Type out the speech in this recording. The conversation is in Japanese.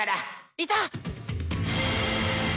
いた！